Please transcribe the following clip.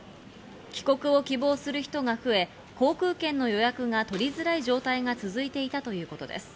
帰国を希望する人が増え、航空券の予約が取りづらい状態が続いていたということです。